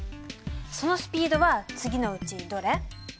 そのスピードは次のうちどれ？